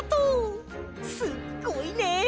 すっごいね！